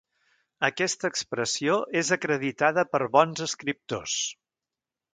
Aquesta expressió és acreditada per bons escriptors.